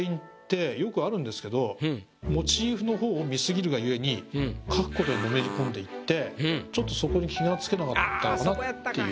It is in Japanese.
モチーフの方を見過ぎるがゆえに描くことにのめり込んでいってちょっとそこに気が付けなかったのかなっていう。